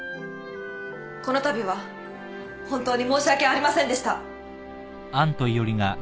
このたびは本当に申し訳ありませんでした。